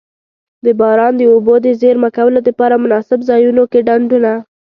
د باران د اوبو د زیرمه کولو دپاره مناسب ځایونو کی ډنډونه.